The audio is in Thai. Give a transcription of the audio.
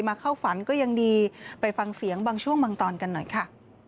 เข้าฝันก็ยังดีไปฟังเสียงบางช่วงบางตอนกันหน่อยค่ะ